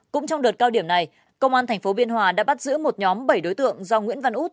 cũng trong đợt cao điểm này công an tp biên hòa đã bắt giữ một nhóm bảy đối tượng do nguyễn văn út